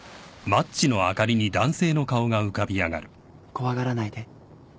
怖がらないで。